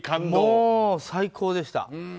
もう最高でした。